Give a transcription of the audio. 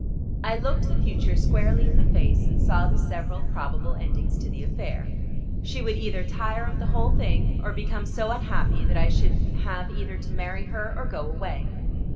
I looked the future squarely in the face and saw the several probable endings to the affair. She would either tire of the whole thing, or become so unhappy that I should have either to marry her or go away.